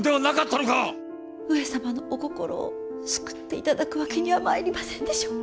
上様のお心を救って頂くわけにはまいりませんでしょうか。